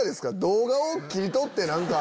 動画を切り取って何か。